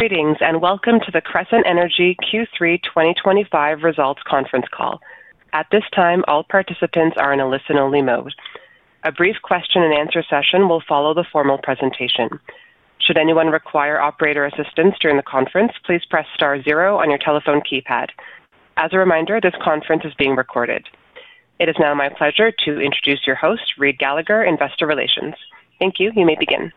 Greetings and welcome to the Crescent Energy Q3 2025 Results Conference Call. At this time, all participants are in a listen-only mode. A brief question-and-answer session will follow the formal presentation. Should anyone require operator assistance during the conference, please press star zero on your telephone keypad. As a reminder, this conference is being recorded. It is now my pleasure to introduce your host, Reid Gallagher, Investor Relations. Thank you. You may begin.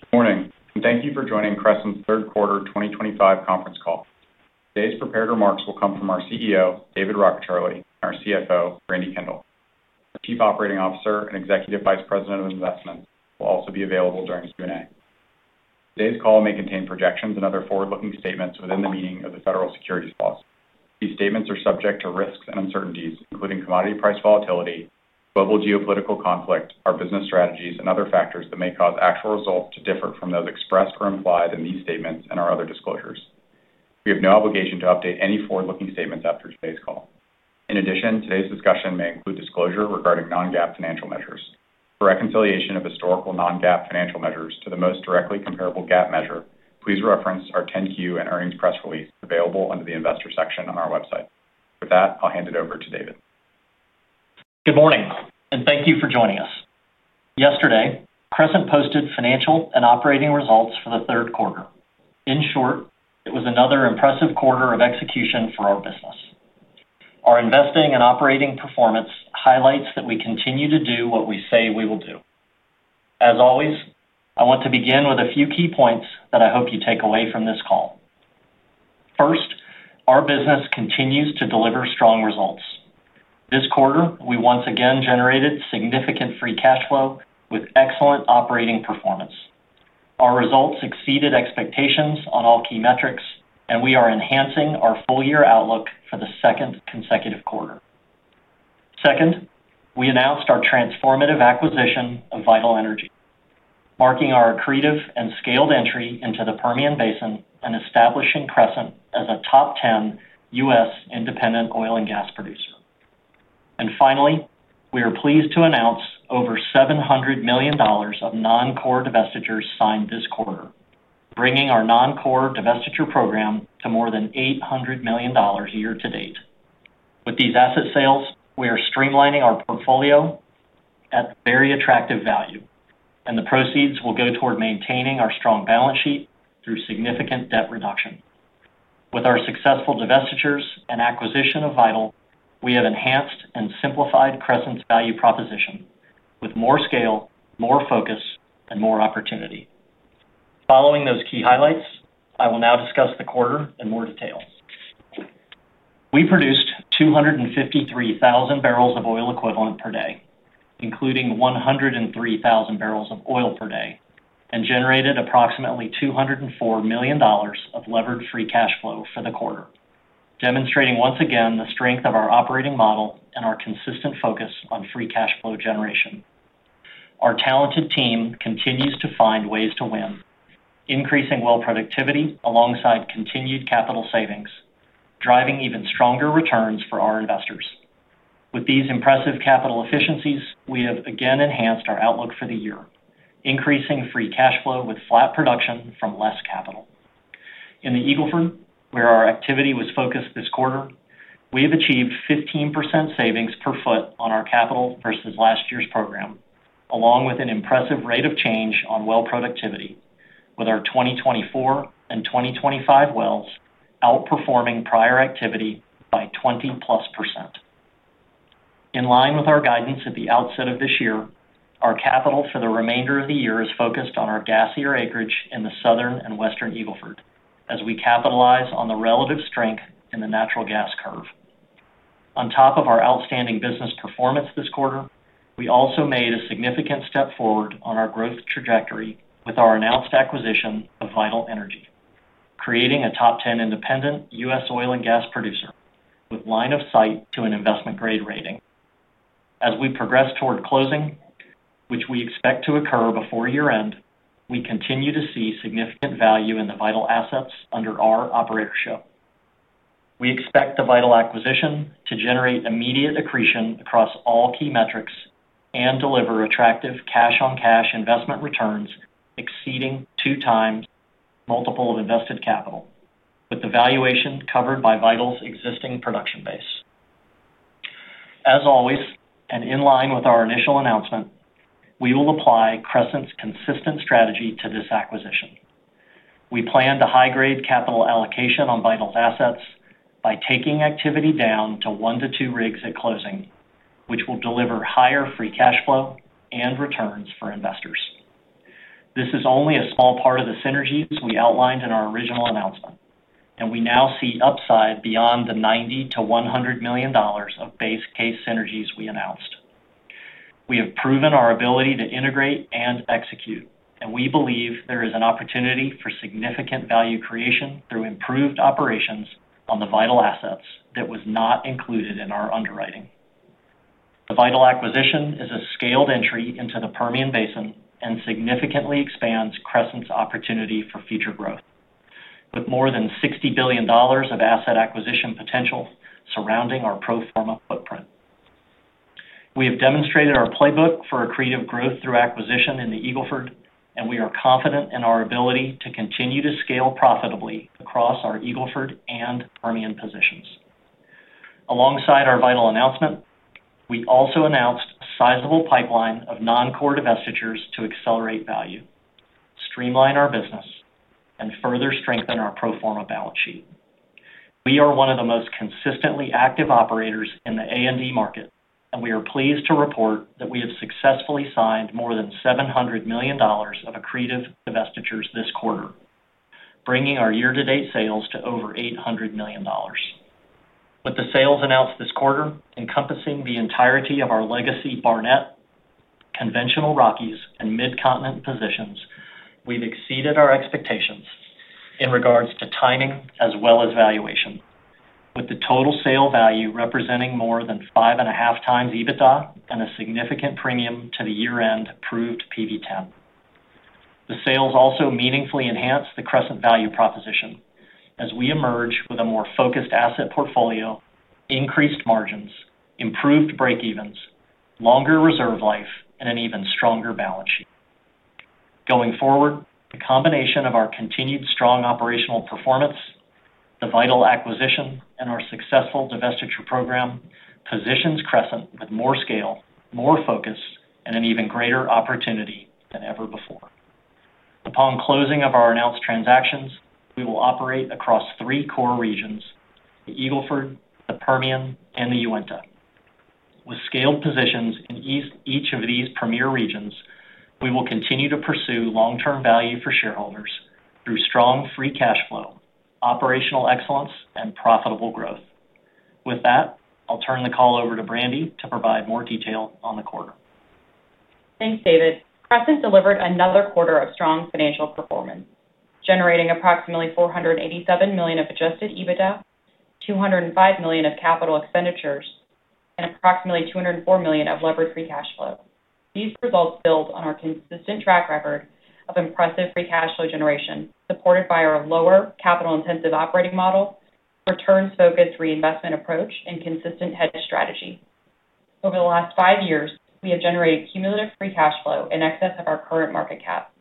Good morning. Thank you for joining Crescent's third quarter 2025 conference call. Today's prepared remarks will come from our CEO, David Rockecharlie, and our CFO, Brandi Kendall. Our Chief Operating Officer and Executive Vice President of Investments will also be available during the Q&A. Today's call may contain projections and other forward-looking statements within the meaning of the federal securities policy. These statements are subject to risks and uncertainties, including commodity price volatility, global geopolitical conflict, our business strategies, and other factors that may cause actual results to differ from those expressed or implied in these statements and our other disclosures. We have no obligation to update any forward-looking statements after today's call. In addition, today's discussion may include disclosure regarding non-GAAP financial measures. For reconciliation of historical non-GAAP financial measures to the most directly comparable GAAP measure, please reference our 10-Q and earnings press release available under the Investor section on our website. With that, I'll hand it over to David. Good morning, and thank you for joining us. Yesterday, Crescent posted financial and operating results for the third quarter. In short, it was another impressive quarter of execution for our business. Our investing and operating performance highlights that we continue to do what we say we will do. As always, I want to begin with a few key points that I hope you take away from this call. First, our business continues to deliver strong results. This quarter, we once again generated significant free cash flow with excellent operating performance. Our results exceeded expectations on all key metrics, and we are enhancing our full-year outlook for the second consecutive quarter. Second, we announced our transformative acquisition of Vital Energy, marking our accretive and scaled entry into the Permian Basin and establishing Crescent as a top 10 U.S. independent oil and gas producer. And finally, we are pleased to announce over $700 million of non-core divestitures signed this quarter, bringing our non-core divestiture program to more than $800 million year-to-date. With these asset sales, we are streamlining our portfolio at very attractive value, and the proceeds will go toward maintaining our strong balance sheet through significant debt reduction. With our successful divestitures and acquisition of Vital, we have enhanced and simplified Crescent's value proposition with more scale, more focus, and more opportunity. Following those key highlights, I will now discuss the quarter in more detail. We produced 253,000 bbl equivalent per day, including 103,000 bbl per day, and generated approximately $204 million of levered free cash flow for the quarter, demonstrating once again the strength of our operating model and our consistent focus on free cash flow generation. Our talented team continues to find ways to win, increasing well productivity alongside continued capital savings, driving even stronger returns for our investors. With these impressive capital efficiencies, we have again enhanced our outlook for the year, increasing free cash flow with flat production from less capital. In the Eagle Ford, where our activity was focused this quarter, we have achieved 15% savings per foot on our capital versus last year's program, along with an impressive rate of change on well productivity, with our 2024 and 2025 wells outperforming prior activity by +20%. In line with our guidance at the outset of this year, our capital for the remainder of the year is focused on our gassier acreage in the southern and western Eagle Ford, as we capitalize on the relative strength in the natural gas curve. On top of our outstanding business performance this quarter, we also made a significant step forward on our growth trajectory with our announced acquisition of Vital Energy, creating a top 10 independent U.S. oil and gas producer with line of sight to an investment-grade rating. As we progress toward closing, which we expect to occur before year-end, we continue to see significant value in the Vital assets under our operational control. We expect the Vital acquisition to generate immediate accretion across all key metrics and deliver attractive cash-on-cash investment returns exceeding two times the multiple of invested capital, with the valuation covered by Vital's existing production base. As always, and in line with our initial announcement, we will apply Crescent's consistent strategy to this acquisition. We plan to high-grade capital allocation on Vital's assets by taking activity down to 1-2 rigs at closing, which will deliver higher free cash flow and returns for investors. This is only a small part of the synergies we outlined in our original announcement, and we now see upside beyond the $90 million to $100 million of base case synergies we announced. We have proven our ability to integrate and execute, and we believe there is an opportunity for significant value creation through improved operations on the Vital assets that was not included in our underwriting. The Vital acquisition is a scaled entry into the Permian Basin and significantly expands Crescent's opportunity for future growth, with more than $60 billion of asset acquisition potential surrounding our pro forma footprint. We have demonstrated our playbook for accretive growth through acquisition in the Eagle Ford, and we are confident in our ability to continue to scale profitably across our Eagle Ford and Permian positions. Alongside our Vital announcement, we also announced a sizable pipeline of non-core divestitures to accelerate value, streamline our business and further strengthen our pro forma balance sheet. We are one of the most consistently active operators in the A&D market, and we are pleased to report that we have successfully signed more than $700 million of accretive divestitures this quarter, bringing our year-to-date sales to over $800 million. With the sales announced this quarter, encompassing the entirety of our legacy Barnett, conventional Rockies, and Mid-Continent positions, we've exceeded our expectations in regards to timing as well as valuation, with the total sale value representing more than 5.5x EBITDA and a significant premium to the year-end approved PV-10. The sales also meaningfully enhanced the Crescent value proposition as we emerge with a more focused asset portfolio, increased margins, improved breakevens, longer reserve life, and an even stronger balance sheet. Going forward, the combination of our continued strong operational performance, the Vital acquisition, and our successful divestiture program positions Crescent with more scale, more focus, and an even greater opportunity than ever before. Upon closing of our announced transactions, we will operate across three core regions. The Eagle Ford, the Permian, and the Uinta. With scaled positions in each of these premier regions, we will continue to pursue long-term value for shareholders through strong free cash flow, operational excellence, and profitable growth. With that, I'll turn the call over to Brandi to provide more detail on the quarter. Thanks, David. Crescent delivered another quarter of strong financial performance, generating approximately $487 million of adjusted EBITDA, $205 million of capital expenditures, and approximately $204 million of levered free cash flow. These results build on our consistent track record of impressive free cash flow generation supported by our lower capital-intensive operating model, returns-focused reinvestment approach, and consistent hedge strategy. Over the last five years, we have generated cumulative free cash flow in excess of our current market cap.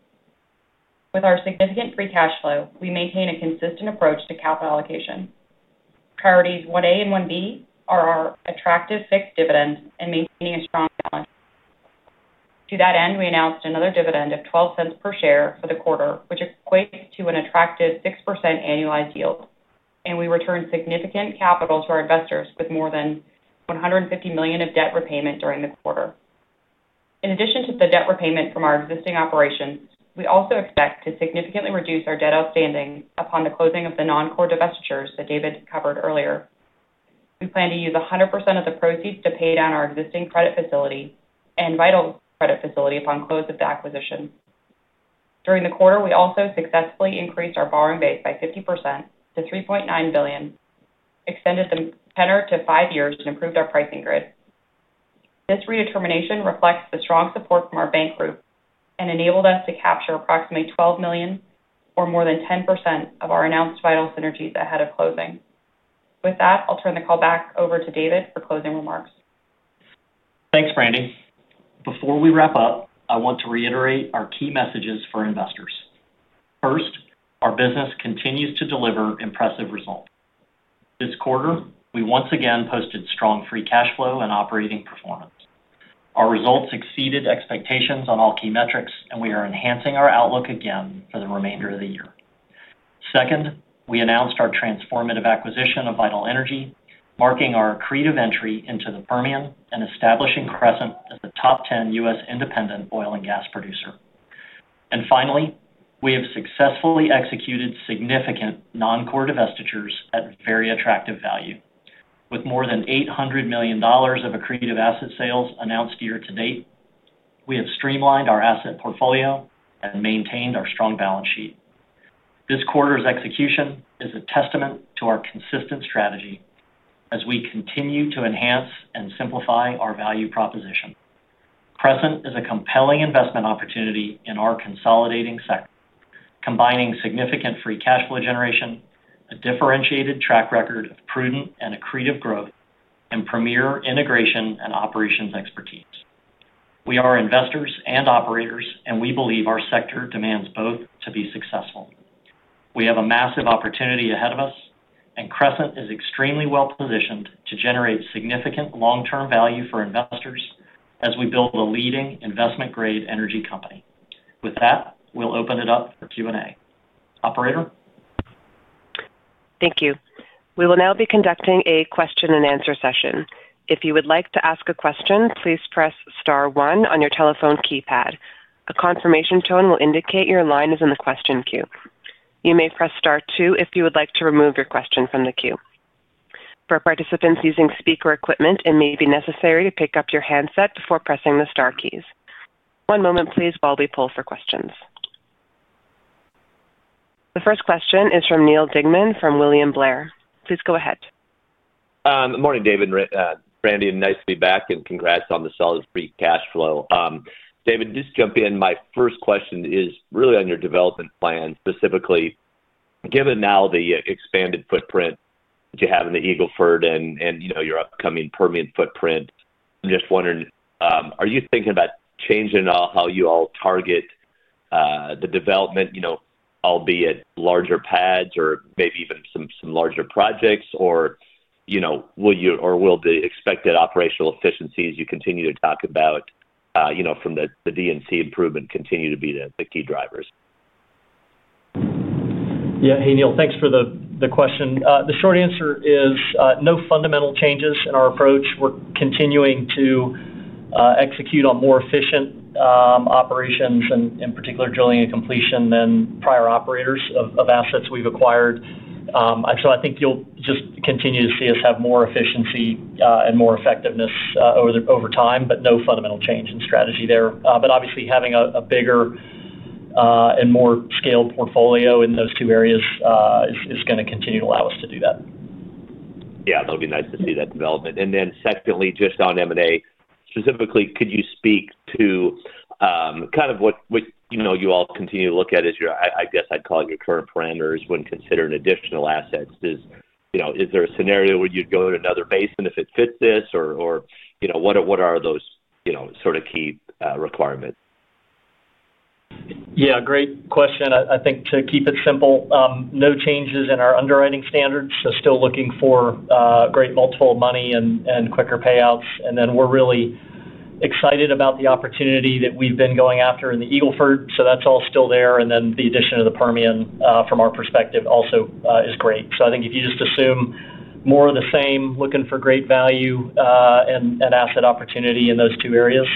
With our significant free cash flow, we maintain a consistent approach to capital allocation. Priorities 1A and 1B are our attractive fixed dividend and maintaining a strong balance sheet. To that end, we announced another dividend of $0.12 per share for the quarter, which equates to an attractive 6% annualized yield, and we returned significant capital to our investors with more than $150 million of debt repayment during the quarter. In addition to the debt repayment from our existing operations, we also expect to significantly reduce our debt outstanding upon the closing of the non-core divestitures that David covered earlier. We plan to use 100% of the proceeds to pay down our existing credit facility and Vital credit facility upon close of the acquisition. During the quarter, we also successfully increased our borrowing base by 50% to $3.9 billion, extended the tenor to five years, and improved our pricing grid. This redetermination reflects the strong support from our bank group and enabled us to capture approximately $12 million, or more than 10% of our announced Vital synergies, ahead of closing. With that, I'll turn the call back over to David for closing remarks. Thanks, Brandi. Before we wrap up, I want to reiterate our key messages for investors. First, our business continues to deliver impressive results. This quarter, we once again posted strong free cash flow and operating performance. Our results exceeded expectations on all key metrics, and we are enhancing our outlook again for the remainder of the year. Second, we announced our transformative acquisition of Vital Energy, marking our accretive entry into the Permian and establishing Crescent as the top 10 U.S. independent oil and gas producer. And finally, we have successfully executed significant non-core divestitures at very attractive value. With more than $800 million of accretive asset sales announced year to date, we have streamlined our asset portfolio and maintained our strong balance sheet. This quarter's execution is a testament to our consistent strategy as we continue to enhance and simplify our value proposition. Crescent is a compelling investment opportunity in our consolidating sector, combining significant free cash flow generation, a differentiated track record of prudent and accretive growth, and premier integration and operations expertise. We are investors and operators, and we believe our sector demands both to be successful. We have a massive opportunity ahead of us, and Crescent is extremely well positioned to generate significant long-term value for investors as we build a leading investment-grade energy company. With that, we'll open it up for Q&A. Operator. Thank you. We will now be conducting a question-and-answer session. If you would like to ask a question, please press Star 1 on your telephone keypad. A confirmation tone will indicate your line is in the question queue. You may press Star 2 if you would like to remove your question from the queue. For participants using speaker equipment, it may be necessary to pick up your handset before pressing the Star keys. One moment, please, while we poll for questions. The first question is from Neal Dingmann from William Blair. Please go ahead. Good morning, David and Brandi, and nice to be back, and congrats on the solid free cash flow. David, just jump in. My first question is really on your development plan, specifically. Given now the expanded footprint that you have in the Eagle Ford and your upcoming Permian footprint, I'm just wondering, are you thinking about changing at all how you all target the development, albeit larger pads or maybe even some larger projects? Or will the expected operational efficiencies you continue to talk about from the D&C improvement continue to be the key drivers? Yeah. Hey, Neal, thanks for the question. The short answer is no fundamental changes in our approach. We're continuing to execute on more efficient operations, in particular drilling and completion, than prior operators of assets we've acquired. So I think you'll just continue to see us have more efficiency and more effectiveness over time, but no fundamental change in strategy there. But obviously, having a bigger and more scaled portfolio in those two areas is going to continue to allow us to do that. Yeah, that'll be nice to see that development. And then secondly, just on M&A specifically, could you speak to kind of what you all continue to look at as your, I guess I'd call it your current parameters when considering additional assets? Is there a scenario where you'd go to another basin if it fits this, or what are those sort of key requirements? Yeah, great question. I think to keep it simple, no changes in our underwriting standards, so still looking for great multiple money and quicker payouts, and then we're really excited about the opportunity that we've been going after in the Eagle Ford, so that's all still there, and then the addition of the Permian, from our perspective, also is great. So I think if you just assume more of the same, looking for great value and asset opportunity in those two areas,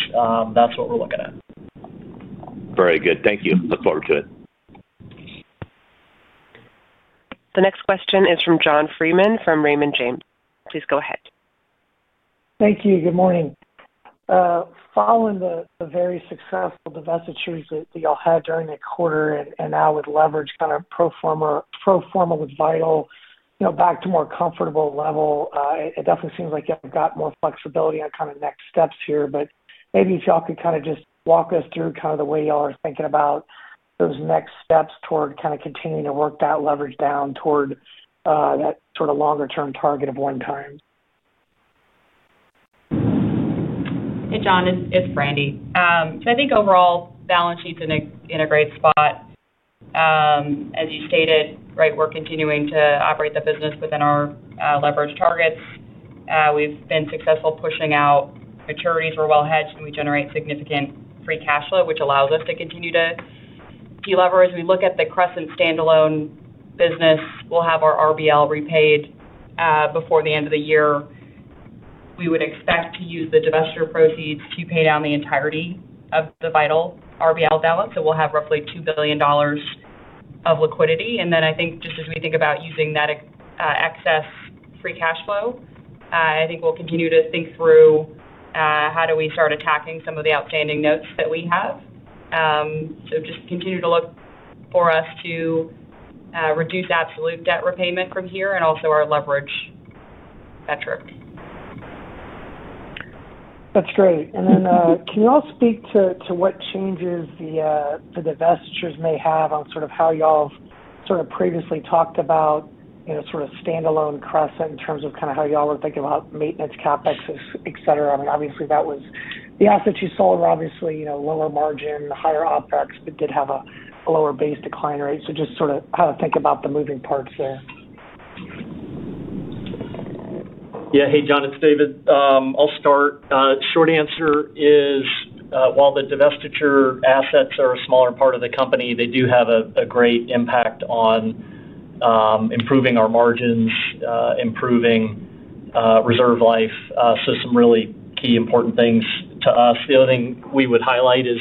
that's what we're looking at. Very good. Thank you. Look forward to it. The next question is from John Freeman from Raymond James. Please go ahead. Thank you. Good morning. Following the very successful divestitures that y'all had during the quarter, and now with leverage, kind of pro forma, with Vital back to a more comfortable level, it definitely seems like you've got more flexibility on kind of next steps here. But maybe if y'all could kind of just walk us through kind of the way y'all are thinking about those next steps toward kind of continuing to work that leverage down toward that sort of longer-term target of one time. Hey, John, it's Brandi. So I think overall, balance sheet's in a great spot. As you stated, right, we're continuing to operate the business within our leverage targets. We've been successful pushing out maturities. We're well hedged, and we generate significant free cash flow, which allows us to continue to deleverage. We look at the Crescent standalone business. We'll have our RBL repaid before the end of the year. We would expect to use the divestiture proceeds to pay down the entirety of the Vital RBL balance. So we'll have roughly $2 billion of liquidity. And then I think just as we think about using that excess free cash flow, I think we'll continue to think through how do we start attacking some of the outstanding notes that we have? So just continue to look for us to reduce absolute debt repayment from here and also our leverage metric. That's great. And then can you all speak to what changes the divestitures may have on sort of how y'all have sort of previously talked about sort of standalone Crescent in terms of kind of how y'all were thinking about maintenance CapEx, et cetera.? I mean, obviously, that was the asset you sold were obviously lower margin, higher OpEx, but did have a lower base decline rate. So just sort of how to think about the moving parts there. Yeah. Hey, John, it's David. I'll start. Short answer is, while the divestiture assets are a smaller part of the company, they do have a great impact on improving our margins, improving reserve life. So some really key important things to us. The other thing we would highlight is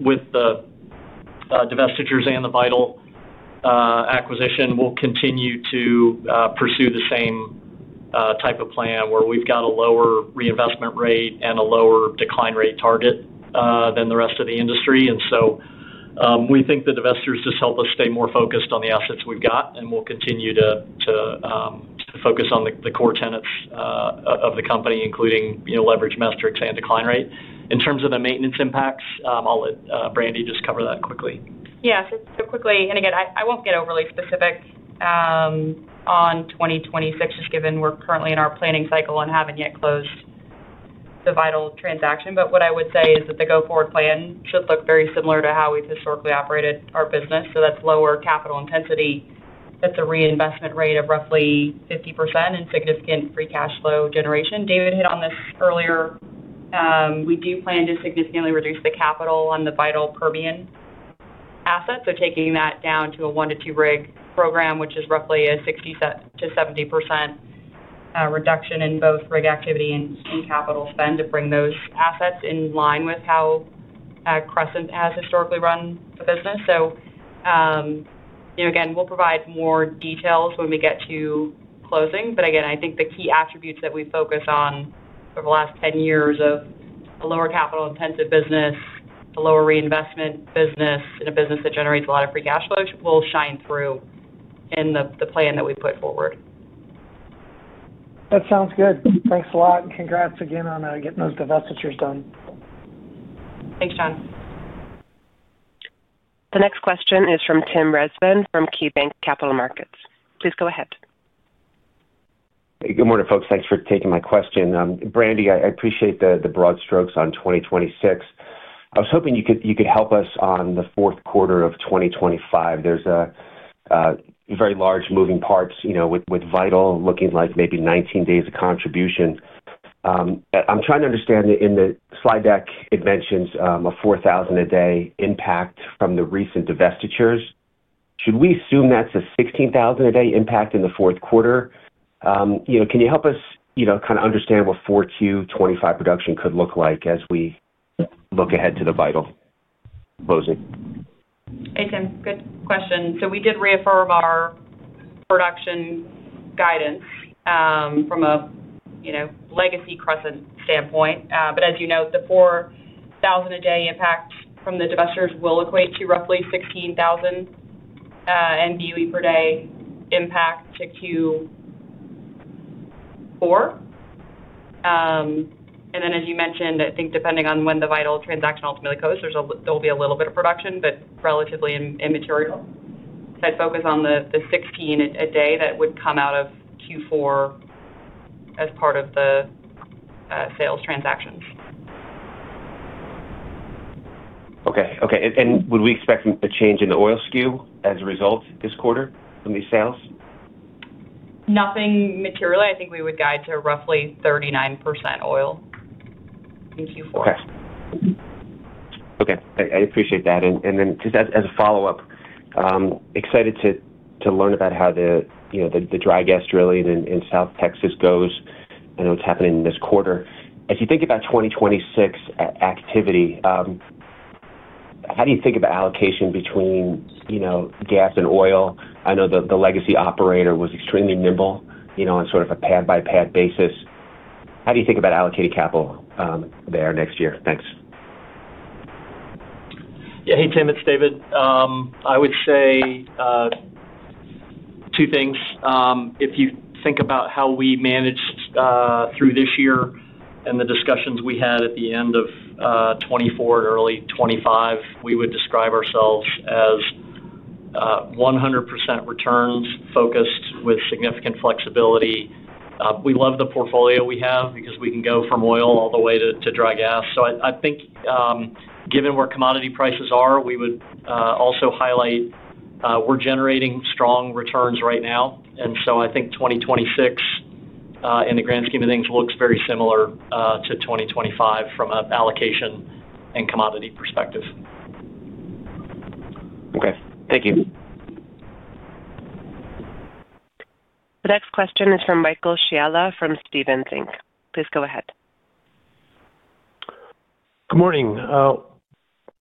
with the divestitures and the Vital acquisition, we'll continue to pursue the same type of plan where we've got a lower reinvestment rate and a lower decline rate target than the rest of the industry. We think the divestitures just help us stay more focused on the assets we've got, and we'll continue to focus on the core tenets of the company, including leverage metrics and decline rate. In terms of the maintenance impacts, I'll let Brandi just cover that quickly. Yeah. So quickly, and again, I won't get overly specific. On 2026, just given we're currently in our planning cycle and haven't yet closed the Vital transaction. But what I would say is that the go-forward plan should look very similar to how we've historically operated our business. So that's lower capital intensity. That's a reinvestment rate of roughly 50% and significant free cash flow generation. David hit on this earlier. We do plan to significantly reduce the capital on the Vital Permian assets, so taking that down to a one-to-two rig program, which is roughly a 60%-70% reduction in both rig activity and capital spend to bring those assets in line with how Crescent has historically run the business. So. Again, we'll provide more details when we get to closing. But again, I think the key attributes that we focus on over the last 10 years of a lower capital-intensive business. A lower reinvestment business, and a business that generates a lot of free cash flow will shine through in the plan that we put forward. That sounds good. Thanks a lot. And congrats again on getting those divestitures done. Thanks, John. The next question is from Tim Rezvan from KeyBanc Capital Markets. Please go ahead. Good morning, folks. Thanks for taking my question. Brandi, I appreciate the broad strokes on 2026. I was hoping you could help us on the fourth quarter of 2025. There's a very large moving parts with Vital looking like maybe 19 days of contribution. I'm trying to understand in the slide deck, it mentions a 4,000 a day impact from the recent divestitures. Should we assume that's a 16,000 a day impact in the fourth quarter? Can you help us kind of understand what 4Q 2025 production could look like as we look ahead to the Vital closing? Hey, Tim. Good question. So we did reaffirm our production guidance from a legacy Crescent standpoint. But as you know, the 4,000 a day impact from the divestitures will equate to roughly 16,000 BOE/d impact to Q4. And then, as you mentioned, I think depending on when the Vital transaction ultimately closes, there'll be a little bit of production, but relatively immaterial. So I'd focus on the 16,000 a day that would come out of Q4 as part of the sale transactions. Okay. Okay. And would we expect a change in the oil skew as a result this quarter from these sales? Nothing materially. I think we would guide to roughly 39% oil in Q4. Okay. I appreciate that. And then just as a follow-up, excited to learn about how the dry gas drilling in South Texas goes and what's happening in this quarter. As you think about 2026 activity, how do you think about allocation between gas and oil? I know the legacy operator was extremely nimble on sort of a pad-by-pad basis. How do you think about allocating capital there next year? Thanks. Yeah. Hey, Tim. It's David. I would say two things. If you think about how we managed through this year and the discussions we had at the end of 2024 and early 2025, we would describe ourselves as 100% returns focused with significant flexibility. We love the portfolio we have because we can go from oil all the way to dry gas. So I think, given where commodity prices are, we would also highlight we're generating strong returns right now. And so I think 2026, in the grand scheme of things, looks very similar to 2026 from an allocation and commodity perspective. Okay. Thank you. The next question is from Michael Scialla from Stephens Inc. Please go ahead. Good morning. I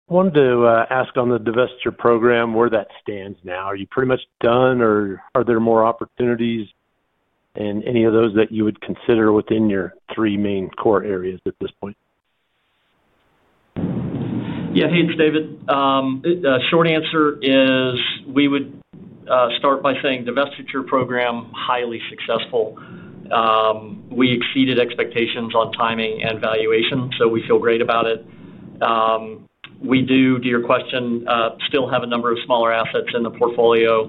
wanted to ask on the divestiture program where that stands now. Are you pretty much done, or are there more opportunities? In any of those that you would consider within your three main core areas at this point? Yeah. Hey, it's David. Short answer is we would. Start by saying divestiture program, highly successful. We exceeded expectations on timing and valuation, so we feel great about it. We do, to your question, still have a number of smaller assets in the portfolio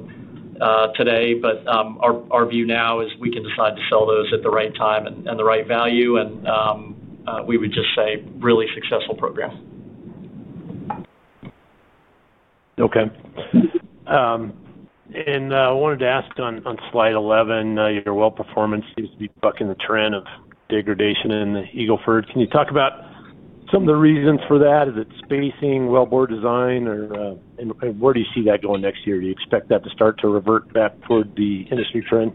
today, but our view now is we can decide to sell those at the right time and the right value. We would just say really successful program. Okay. And I wanted to ask on slide 11, your well performance seems to be bucking the trend of degradation in the Eagle Ford. Can you talk about some of the reasons for that? Is it spacing, wellbore design, or. Where do you see that going next year? Do you expect that to start to revert back toward the industry trend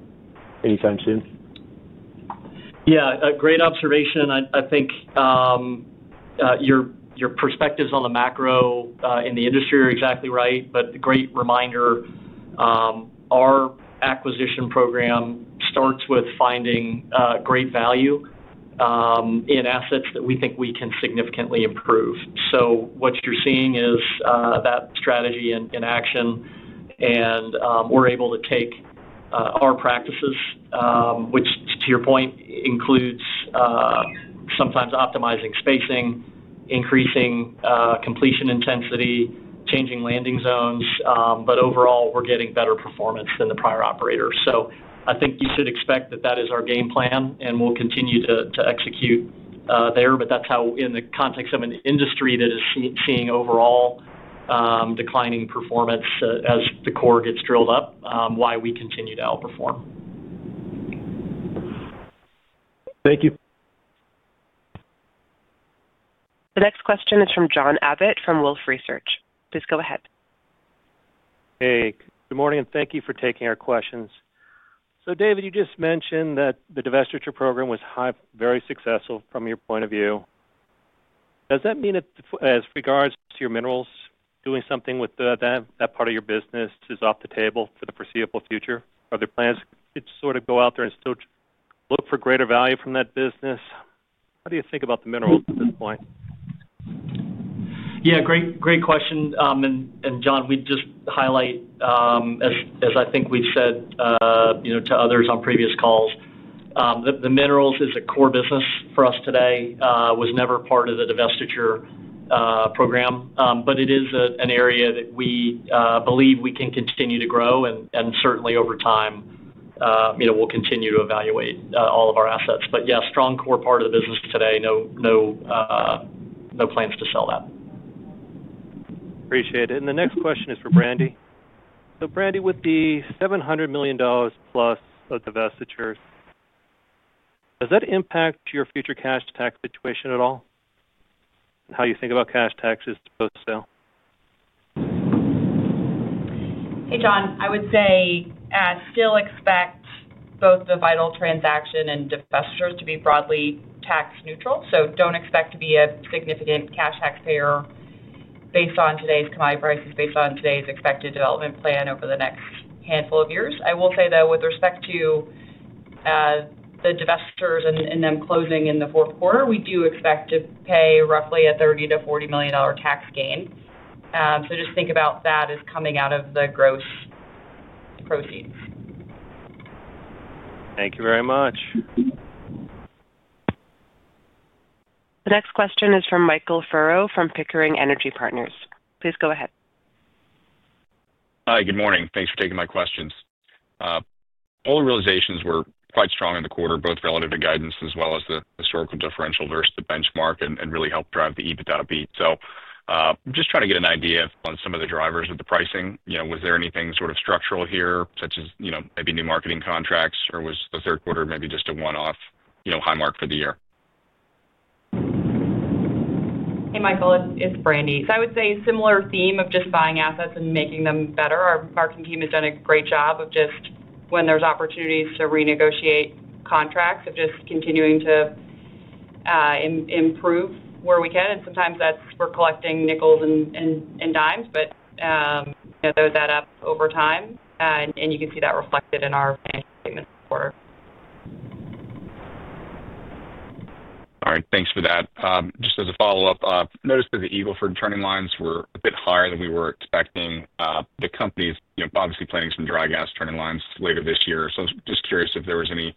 anytime soon? Yeah. Great observation. I think your perspectives on the macro in the industry are exactly right, but a great reminder. Our acquisition program starts with finding great value in assets that we think we can significantly improve, so what you're seeing is that strategy in action, and we're able to take our practices, which to your point includes sometimes optimizing spacing, increasing completion intensity, changing landing zones, but overall, we're getting better performance than the prior operator, so I think you should expect that that is our game plan, and we'll continue to execute there, but that's how, in the context of an industry that is seeing overall declining performance as the core gets drilled up, why we continue to outperform. Thank you. The next question is from John Abbott from Wolfe Research. Please go ahead. Hey. Good morning, and thank you for taking our questions. So David, you just mentioned that the divestiture program was very successful from your point of view. Does that mean that, as regards to your minerals, doing something with that part of your business is off the table for the foreseeable future? Are there plans to sort of go out there and still look for greater value from that business? How do you think about the minerals at this point? Yeah. Great question. And John, we'd just highlight. As I think we've said to others on previous calls, the minerals is a core business for us today. It was never part of the divestiture program, but it is an area that we believe we can continue to grow. And certainly, over time, we'll continue to evaluate all of our assets. But yeah, strong core part of the business today. No plans to sell that. Appreciate it. And the next question is for Brandi. So Brandi, with the $700 million plus of divestitures. Does that impact your future cash tax situation at all? And how you think about cash taxes post-sale? Hey, John, I would say still expect both the Vital transaction and divestitures to be broadly tax-neutral. So don't expect to be a significant cash taxpayer based on today's commodity prices, based on today's expected development plan over the next handful of years. I will say, though, with respect to the divestitures and them closing in the fourth quarter, we do expect to pay roughly a $30 million to $40 million tax gain. So just think about that as coming out of the gross proceeds. Thank you very much. The next question is from Michael Furrow from Pickering Energy Partners. Please go ahead. Hi. Good morning. Thanks for taking my questions. All the realizations were quite strong in the quarter, both relative to guidance as well as the historical differential versus the benchmark and really helped drive the EBITDA beat. So I'm just trying to get an idea on some of the drivers of the pricing. Was there anything sort of structural here, such as maybe new marketing contracts, or was the third quarter maybe just a one-off high mark for the year? Hey, Michael, it's Brandi. So I would say a similar theme of just buying assets and making them better. Our marketing team has done a great job of just, when there's opportunities to renegotiate contracts, of just continuing to improve where we can. And sometimes that's for collecting nickels and dimes, but throw that up over time, and you can see that reflected in our financial statements this quarter. All right. Thanks for that. Just as a follow-up, noticed that the Eagle Ford turn-in lines were a bit higher than we were expecting. The company's obviously planning some dry gas turn-in lines later this year. So I'm just curious if there was any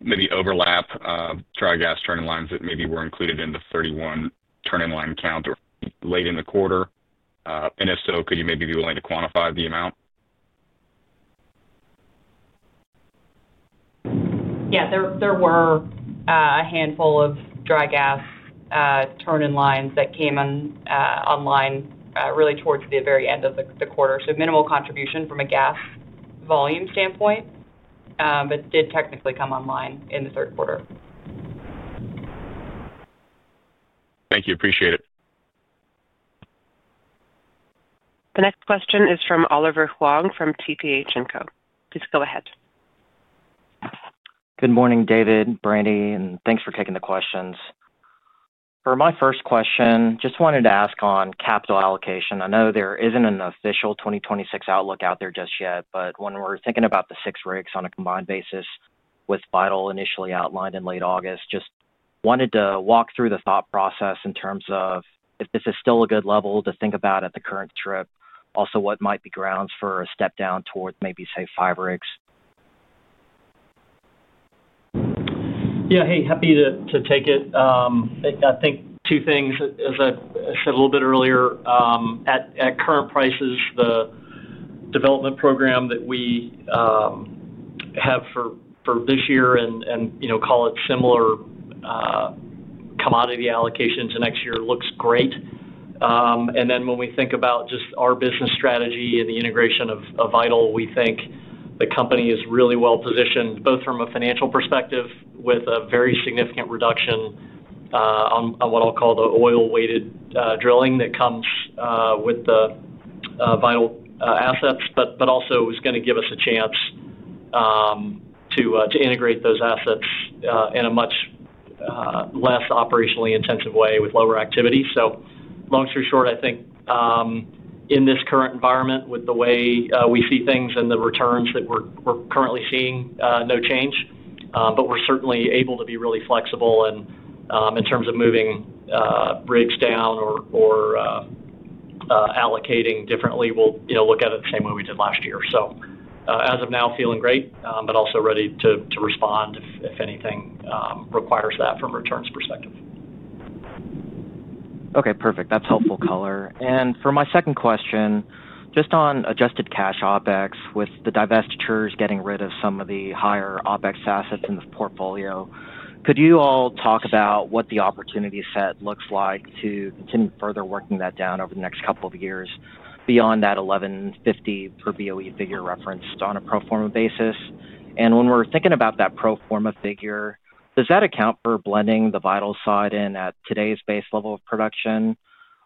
maybe overlap dry gas turn-in lines that maybe were included in the 31 turn-in line count late in the quarter. And if so, could you maybe be willing to quantify the amount? Yeah. There were a handful of dry gas turning lines that came online really towards the very end of the quarter. So minimal contribution from a gas volume standpoint. But did technically come online in the third quarter. Thank you. Appreciate it. The next question is from Oliver Huang from TPH & Co. Please go ahead. Good morning, David, Brandi, and thanks for taking the questions. For my first question, just wanted to ask on capital allocation. I know there isn't an official 2026 outlook out there just yet, but when we're thinking about the six rigs on a combined basis with Vital initially outlined in late August, just wanted to walk through the thought process in terms of if this is still a good level to think about at the current strip, also what might be grounds for a step down towards maybe, say, five rigs. Yeah. Hey, happy to take it. I think two things. As I said a little bit earlier, at current prices, the development program that we have for this year and call it similar commodity allocations to next year looks great, and then when we think about just our business strategy and the integration of Vital, we think the company is really well positioned, both from a financial perspective with a very significant reduction on what I'll call the oil-weighted drilling that comes with the Vital assets, but also is going to give us a chance to integrate those assets in a much less operationally intensive way with lower activity, so long story short, I think in this current environment, with the way we see things and the returns that we're currently seeing, no change, but we're certainly able to be really flexible, and in terms of moving rigs down or allocating differently, we'll look at it the same way we did last year, so as of now, feeling great, but also ready to respond if anything requires that from a returns perspective. Okay. Perfect. That's helpful color. And for my second question, just on adjusted cash OpEx with the divestitures getting rid of some of the higher OpEx assets in the portfolio, could you all talk about what the opportunity set looks like to continue further working that down over the next couple of years beyond that $11.50 per BOE figure referenced on a pro forma basis? And when we're thinking about that pro forma figure, does that account for blending the Vital side in at today's base level of production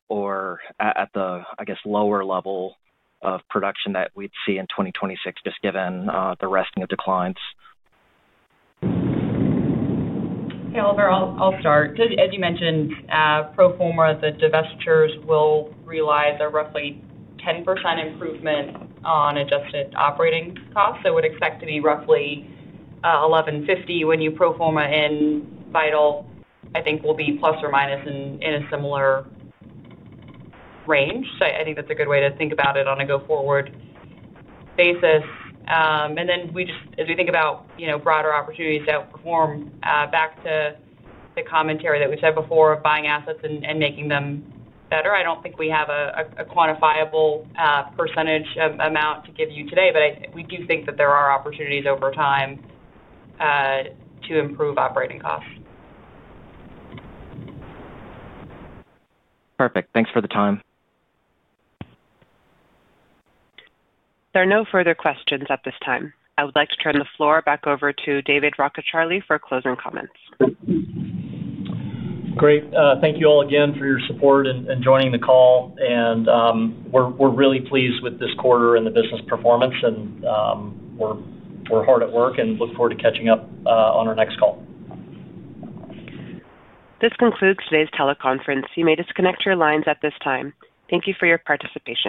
or at the, I guess, lower level of production that we'd see in 2026, just given the resting of declines? Hey, Oliver, I'll start. As you mentioned, pro forma, the divestitures will realize a roughly 10% improvement on adjusted operating costs. So we'd expect to be roughly $11.50 when you pro forma in Vital, I think will be plus or minus in a similar range. So I think that's a good way to think about it on a go-forward basis. And then as we think about broader opportunities to outperform, back to the commentary that we said before of buying assets and making them better, I don't think we have a quantifiable percentage amount to give you today, but we do think that there are opportunities over time to improve operating costs. Perfect. Thanks for the time. There are no further questions at this time. I would like to turn the floor back over to David Rockecharlie for closing comments. Great. Thank you all again for your support and joining the call. We're really pleased with this quarter and the business performance, and we're hard at work and look forward to catching up on our next call. This concludes today's teleconference. You may disconnect your lines at this time. Thank you for your participation.